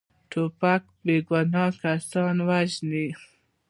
توپک بیګناه کسان وژلي.